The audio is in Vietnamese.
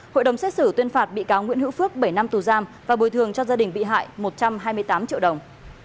hội đồng xét xử tuyên phạt bị cáo nguyễn hữu phước bảy năm tù giam và bồi thường cho gia đình bị hại một trăm hai mươi tám triệu đồng